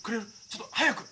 ちょっと早く！